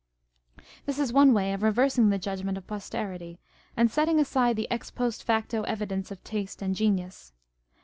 This is one way of reversing the judgment of posterity, and setting aside the ex post facto evidence of taste and genius.